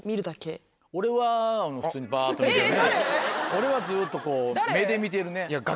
俺はずっと目で見てるね。